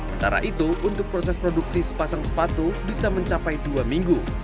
antara itu untuk proses produksi sepasang sepatu bisa mencapai dua minggu